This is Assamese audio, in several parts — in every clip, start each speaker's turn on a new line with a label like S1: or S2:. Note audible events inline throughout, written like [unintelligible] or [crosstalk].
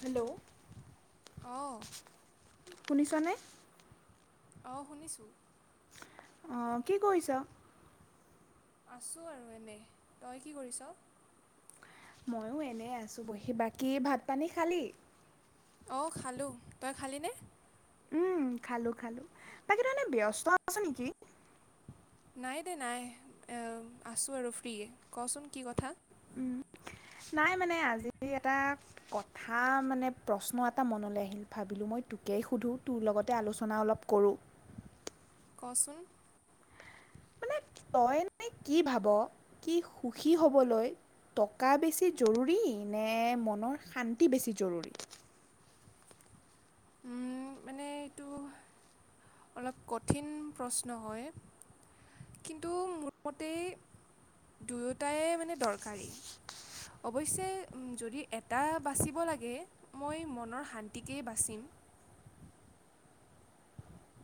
S1: হেল্ল'
S2: অ
S1: শুনিছানে
S2: অহ শুনিছো
S1: অহ কি কৰিছ
S2: আছোঁ আৰু এনেই তই কি কৰিছ
S1: মইয়ো এনে আছো বহি বাকী ভাত পানী খালি
S2: অ খালো তই খালিনে
S1: উম খালো খালো বাকী তই এনে ব্যস্ত আছ নেকি?
S2: নাই দে নাই আছোঁ আৰু ফ্ৰীয়ে কচোন কি কথা
S1: উম নাই মানে আজি এটা কথা মানে প্ৰশ্ন এটা মনলে আহিল ভাবিলো মই তোকেই সোধো তোৰ লগতে আলোচনা অলপ কৰো
S2: ক চোন
S1: মানে তই এনেই কি ভাব কি সুখী হবলৈ টকা বেছি জৰুৰী নে, মনৰ শান্তি বেছি জৰুৰী?
S2: উম মানে এইটো অলপ কঠিন প্ৰশ্ন হয় কিন্তু মোৰ মতে দুয়োটাই মানে দৰকাৰী অৱশ্যে যদি এটা বাচিব লাগে, মই মনৰ শান্তিকেই বাচিম।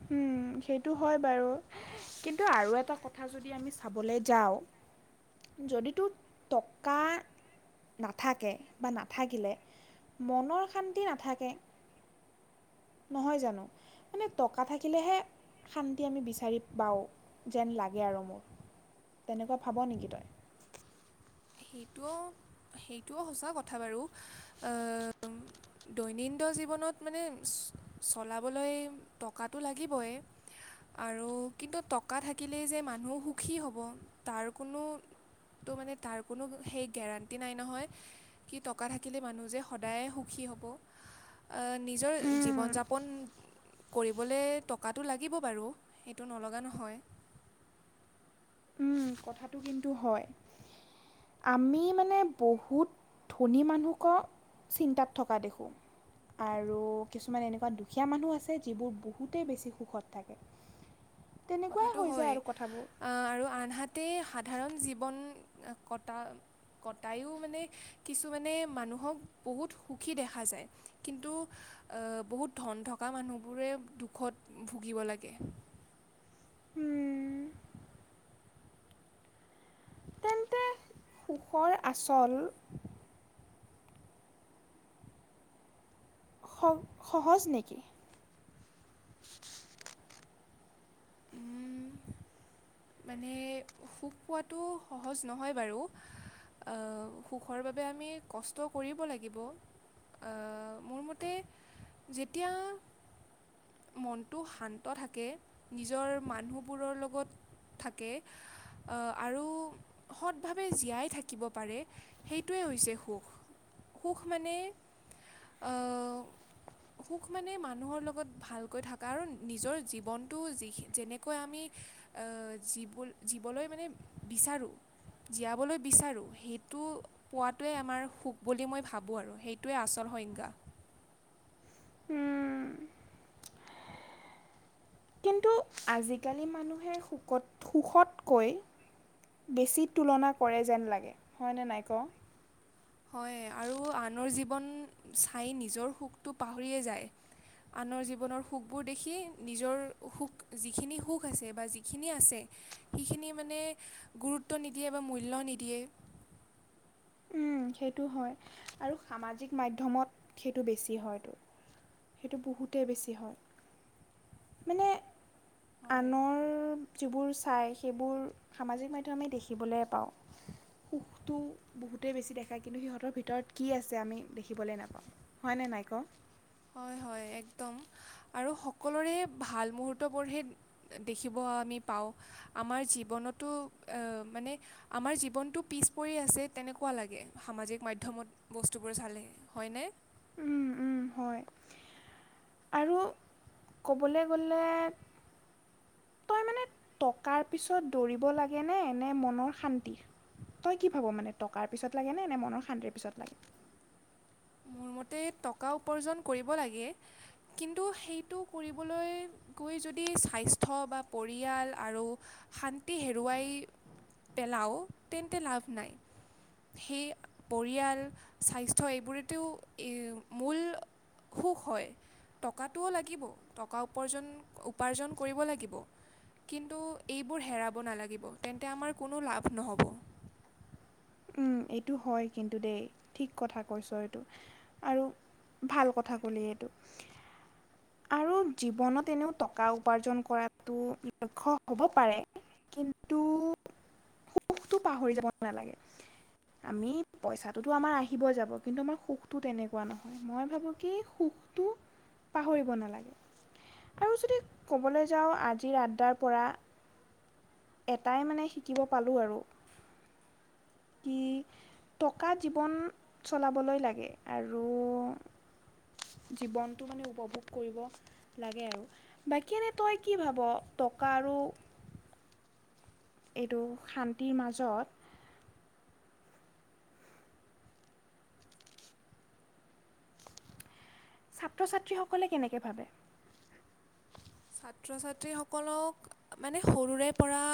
S1: হুম, সেইটো হয় বাৰু! কিন্তু আৰু এটা কথা যদি আমি চাবলে যাওঁ। যদিতো টকা। নাথাকে বা নাথাকিলে মনৰ শান্তি নাথাকে। নহয় জানো? মানে টকা থাকিলেহে। শান্তি আমি বিচাৰি পাওঁ, যেন লাগে আৰু মোৰ। তেনেকুৱা ভাব নেকি তই?
S2: সেইটোও সেইটোও সঁচা কথা বাৰু। দৈনিণ্ড জীৱনত মানে চলাবলৈ টকাটো লাগিবই। আৰু কিন্তু টকা থাকিলেই যে মানুহো সুখী হ'ব তাৰ কোনো তো মানে তাৰ কোনো সেই গেৰাণ্টি নাই নহয় কি টকা থাকিলে মানুহ যে সদায়ে সুখী হ'ব। আহ, নিজৰ জীৱন-যাপন, কৰিবলে টকাটো লাগিব বাৰু, সেইটো নলগা নহয়।
S1: উম, কথাটো কিন্তু হয়। আমি মানে বহুত ধনী মানুহক চিন্তাত থকা দেখো। আৰু কিছুমান এনেকুৱা দুখীয়া মানুহ আছে, যিবোৰ বহুতেই বেছি সুখত থাকে। তেনেকুৱাই
S2: কথাটো
S1: হৈ যায়
S2: হয়,
S1: আৰু কথাবোৰ
S2: আহ আৰু আনহাতে সাধাৰণ জীৱন। কটা কটায়ো মানে কিছুমানে মানুহক বহুত সুখী দেখা যায়। কিন্তু, আ' বহুত ধন থকা মানুহবোৰে দুখত ভুগিব লাগে।
S1: তেন্তে সুখৰ আচল স সহজ নেকি?
S2: উম। মানে সুখ পোৱাতো সহজ নহয় বাৰু আহ সুখৰ বাবে আমি কষ্ট কৰিব লাগিব। মোৰ মতে যেতিয়া মনটো শান্ত থাকে নিজৰ মানুহবোৰৰ লগত থাকে আৰু সৎভাৱে জীয়াই থাকিব পাৰে সটোৱেই হৈছে সুখ সুখ মানে অ' সুখ মানে মানুহৰ লগত ভালকৈ থকা আৰু নিজৰ জীৱনটো যি যেনেকৈ আমি জী জিবলৈ মানে বিচাৰোঁ জীয়াবলৈ বিচাৰো সেইটো পোৱাতোৱে আমাৰ সুখ বুলি মই ভাবো আৰু সেইটোৱে আচল। হয়ংগা [unintelligible]
S1: [inaudible] কিন্তু আজিকালি মানুহে সুখত সুখতকৈ বেছি তুলনা কৰে যেন লাগে হয়নে নাই ক'?
S2: হয়, আৰু আনৰ জীৱন চাই নিজৰ সুখটো পাহৰিয়ে যায় আনৰ জীৱনৰ সুখবোৰ দেখি নিজৰ সুখ যিখিনি সুখ আছে বা যিখিনি আছে সেইখিনি মানে গুৰুত্ব নিদিয়ে বা মূল্য নিদিয়ে।
S1: উম। সেইটো হয় আৰু সামাজিক মাধ্যমত সেইটো বেছি হয়তো। সেইটো বহুতেই বেছি হয়, মানে
S2: হয়।
S1: আনৰ যিবোৰ চায় সেইবোৰ সামাজিক মাধ্যম আমি দেখিবলৈ পাওঁ। সুখটো বহুত সটোৱেই বেছি দেখা কিন্তু সিহঁতৰ ভিতৰত কি আছে আমি দেখিবলৈ নাপাওঁ হয়নে নাই ক'
S2: হয় হয় একদম, আৰু সকলোৰে ভাল মুহূৰ্তবোৰহে দেখিব আমি পাওঁ আমাৰ জীৱনতো মানে আমাৰ জীৱনটো পিছ পৰি আছে তেনেকুৱা লাগে সামাজিক মাধমত বস্তুবোৰ চালে হয়নে?
S1: উম' উম' হয়। আৰু ক'বলৈ গ'লে তই মানে টকাৰ পিছত দৌৰিব লাগেনে নে মনৰ শান্তি? তই কি ভাব মানে টকাৰ পিছত লাগে নে নে মনৰ শান্তিৰ পিছত লাগে?
S2: মোৰ টকা উৰ্পাজন কৰিব লাগে, কিন্তু সেইটো কৰিবলৈ গৈ যদি স্বাস্থ্য বা পৰিয়াল আৰু শান্তি হেৰুৱাই পেলাওঁ তেনতে লাভ নাই। সেই পৰিয়াল স্বাস্থ্য এইবোৰতোও মূল
S1: [inaudible]
S2: সুখ হয় টকাটোও লাগিব, টকা উপাৰ্জন উপাৰ্জন কৰিব লাগিব কিন্তু এইবোৰ হেৰাব নালাগিব তেন্তে আমাৰ কোনো লাভ নহ'ব।
S1: এইটো হয় কিন্তু দেই ঠিক কথা কৈছ এইটো আৰু ভাল কথা ক'লে এইটো। আৰু জীৱনত এনেও টকা উপাৰ্জন কৰাতো লক্ষ্য হ'ব পাৰে কিন্তু সুখটো পাহৰি যাব নালাগে। আমি পইচাটোতো আমাৰ আহিবই যাব, কিন্তু আমাৰ সুখটো তেনেকুৱা নহয় মই ভাবো কি সুখ পাহৰিব নালাগে। আৰু যদি ক'বলৈ যাওঁ আজি আড্ডাৰ পৰা এটাই মানে শিকিব পালোঁ আৰু কি টকা জীৱন চলাবলৈ লাগে আৰু জীৱনতটো মানে উপভোগ কৰিব লাগে আৰু বাকী এনে তই কি ভাব? টকা আৰু এইটো শান্তিৰ মাজত ছাত্ৰ-ছাত্ৰীসকলে কেনেকে ভাবে?
S2: ছাত্ৰ-ছাত্ৰী সকলক মানে সৰুৰে পৰা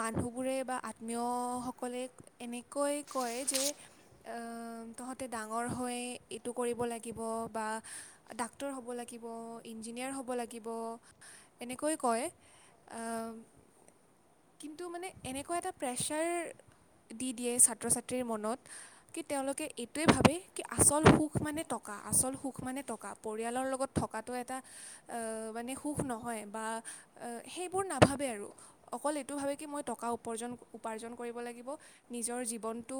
S2: মানুহবোৰে বা আত্মীয়সকলে এনেকৈ কয় যে তহঁতে ডাঙৰ মই এইটো কৰিব লাগিব বা ডাক্তৰ হব লাগিব ইঞ্জিনাৰ হব লাগিব। লাগিব এনেকয় অ', কিন্তু মানে এনেকুৱা এটা প্ৰেছাৰ দি দিয়ে ছাত্ৰ ছাত্ৰীৰ মনত কি তেওঁলোকে এইটোৱে ভাবে কি আচল সুখ মানে টকা। টকা আচল সুখ মানে টকা পৰিয়ালৰ লগত থকাটো এটা
S1: [inaudible]
S2: মানে সুখ নহয় বা সেইবোৰ নাভাবে আৰু অকল এইটো ভাবে কি মই টকা উপাৰ্জন। উপাৰ্জন কৰিব লাগিব নিজৰ জীৱনটো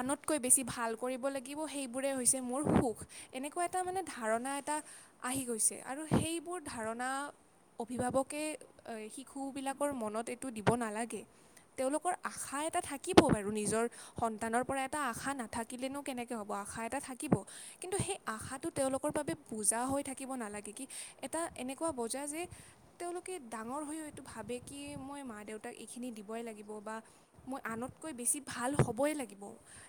S2: আনতকৈ বেছি ভাল কৰিব লাগিব। সেইবোৰে হৈছে মোৰ সুখ এনেকুৱা এটা ধাৰণা এটা আহি গৈছে সেই। বোৰ ধাৰণা অভিভাৱকে শিশুবিলাকৰ মনত এইটো দিব নালাগে তেওঁলোকৰ আশাৰ এটা থাকিব বাৰু নিজৰ সন্তানৰ পৰা এটা আশা নাথাকিলেনো কেনেকৈ হ'ব আশা এটা থাকিব। কিন্তু সেই আশাটো তেওঁলোকৰ বাবে বুজা হৈ থাকিব নালাগে কি এটা এনেকুৱা বজা যে তেওঁলোকে ডাঙৰ হৈও এইটো ভাবে কি মই মা দেউতাক এইখিনি দিব। মই আনতকৈ বেছি ভাল হ'বই লাগিব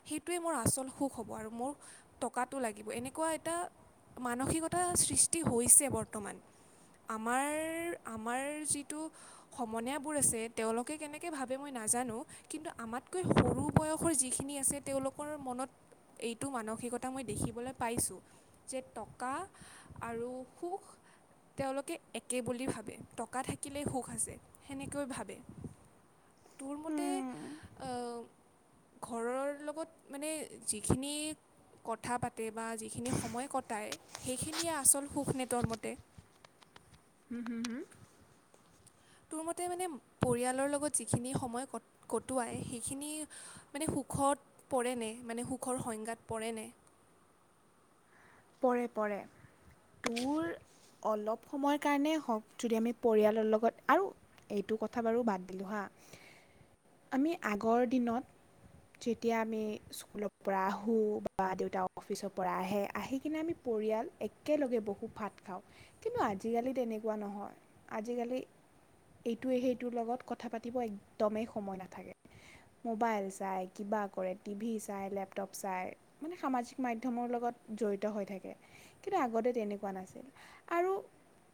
S2: সেইটোৱে মোৰ আচল সুখ হ'ব। আৰু মোৰ টকাাতটো লাগিব এনেকুৱা এটা মানসিকতাৰ সৃষ্টি হৈছে বৰ্তমান। বৰ্তমান। আমাৰ আমাৰ যিটো সমনীয়াাবোৰ আছে তেওঁলোকে কেনেকে ভাবে মই না। নাজানো কিন্তু আমাতকৈ সৰু বয়সৰ যিখিনি আছে তেওঁলোকৰ মনত এইটো মানসিকতা মই দেখিবলৈ পাইছোঁ যে টকা আৰু সুখ।
S1: উ [unintelligible]
S2: তেওঁলোকে একে বুলি ভাবে টকা থাকিলেই সুখ আছে সেনেকৈ ভাবে। তোৰ মতে আ', ঘৰৰ লগত মানে যিখিনি কথা পাতি। বা যিখিনি সময় কটায় সেইখিনিয়ে আচল সুখ নেটৰ মতে।
S1: উম, হম-হম,
S2: তোৰ মতে মানে পৰিয়ালৰ লগত যিখিনি সময় কটোৱাই সেইখিনি মানে সুখ সুখত পৰেনে মানে সুখৰ সংজ্ঞাত পৰেনে?
S1: পৰে পৰে। তোৰ অলপ সময়ৰ কাৰণে হওক যদি আমি পৰিয়ালৰ লগত আৰু এইটো এইটো কথা বাৰু বাদ দিলোঁ হা আমি আগৰ দিনত যেতিয়া আমি স্কুলৰ পৰা আহোঁ বা দেউতা অফিচৰ পৰা আহে আহি কিনে আমি পৰিয়াল একেলগে বহু ভাত খাওঁ কিন্তু আজিকালি তেনেকুৱা নহয়। আজিকালি এইটোৱে সেইটোৰ লগত কথা পাতিব একদমেই সময় নাথাকে। মোবাইল চাই কিবা কৰে টিভি চাই লেপটপ চাই মানে সামাজিক মাধ্যমৰ লগত জড়িত হৈ থাকে কিন্তু আগতে তেনেকুৱা নাছিল আৰু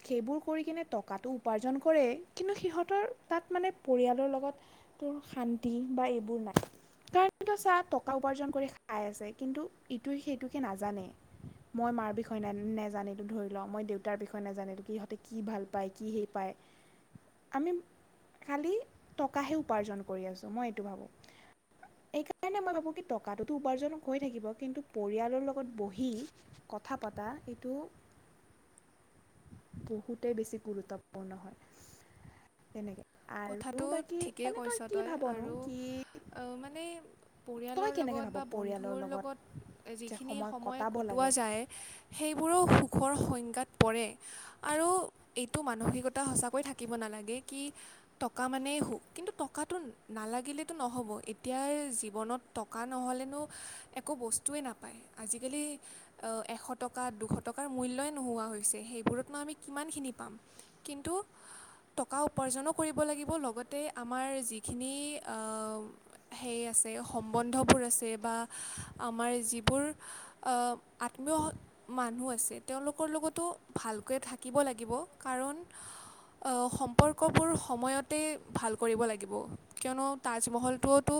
S1: সেইবোৰ কৰি কিনে টকাটো উপাৰ্জন কৰে কিন্তু সিহঁতৰ তাত মানে পৰিয়ালৰ লগত তোৰ শান্তি বা এইবোৰ নাই। ত চাহ টকা উপাৰ্জন কৰি খাই আছে কিন্তু ইটো সেইটোকে নাজানে। মই মাৰ বিষয়ে ন নোজানিলো ধৰি ল মই দেউতাৰ বিষয়ে নাজানিলো কিহঁতে কি ভাল পায় কি সেই পায়? [unintelligible] আমি খালি টকাহে উপাৰ্জন কৰি আছো মই এইটো ভাবোঁ। এই কাৰণে মই ভাবো কি টকাটোতো উপাৰ্জনক হৈ থাকিব কিন্তু পৰিয়ালৰ লগত বহি কথা পতা এইটো বহুতে বেছি গুৰুত্বপূৰ্ণ হয় তেনেকে।
S2: কথাটো ঠিকেই কৈছ তই
S1: ভাবনো
S2: আৰু
S1: কি
S2: মানে
S1: তই
S2: পৰিয়ালৰ
S1: কেনেকৈ
S2: লগত
S1: ভাব
S2: বা
S1: পৰিয়ালৰ
S2: বন্ধুৰ লগত
S1: যে
S2: যিখিনি সময়
S1: কটাব
S2: কটোৱা
S1: লাগে
S2: যায় সেইবোৰো সুখৰ সংজ্ঞাত পৰে, আৰু এইটো মানসিকতা সঁচাকৈ থাকিব নালাগে কি টকা মানেই সুখ, কিন্তু টকাটো নালাগিলেটো নহ'ব এতিয়াৰ জীৱনত টকা নহ ন'হলেনো একো বস্তুৱেই নাপায়, আজিকালি অ' এশ টকা, দুশ টকাৰ একো মূল্যই নোহোৱা হৈছে, সেইবোৰত নো আমি কিমানখিনি পাম, কিন্তু টকা উপাৰ্জনৰ কৰিব লাগিব, লগতে আমাৰ যিখিনি অ' সেই আছে, সম্বন্ধ আছে বা আমাৰ যিবোৰ আত্মীয় মানুহ আছে তেওঁ তেওঁলোকৰ লগতো ভালকৈ থাকিব লাগিব কাৰণ সম্পৰ্কবোৰ সময়তেই ভাল কৰিব লাগিব, কিয়নো তাজমহলটোতো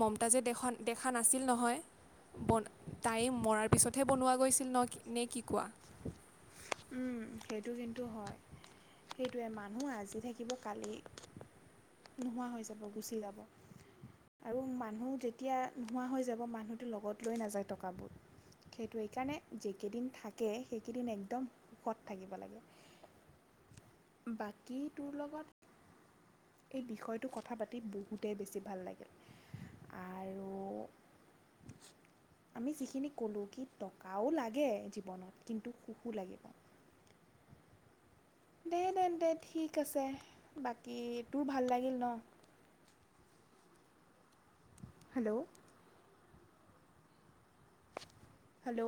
S2: মমতাজে দ দেখা নাছিল নহয়। তাই মৰাৰ পিছতহে বনোৱা গৈছিল, ন, নে কি কোৱা?
S1: উম, সেইটো কিন্তু হয়। সেইটোৱে মানুহ আজি থাকিব কালি নোহোৱা হৈ যাব, গুচি যাব। আৰু মানুহ যেতিয়া নোহোৱা হৈ যাব মানুহটো লগত লৈ নাযায় টকাবোৰ। সেইটো সেইকাৰণে যিকেইদিন থাকে সেইকেইদিন একদম সুখত থাকিব লাগে, বাকী তোৰ লগত এই বিষয়টো কথা পাতি বহুতেই বেছি ভাল লাগিল, আৰু [unintelligible] আমি যিখিনি ক'লোঁ কি টকাও লাগে জীৱনত কিন্তু সুখো লাগে। দে তেন্তে, ঠিক আছে, বাকী তোৰ ভাল লাগিল ন? [inaudible] Hello hello